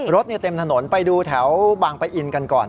รถเต็มถนนไปดูแถวบางปะอินกันก่อน